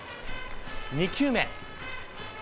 ２球目。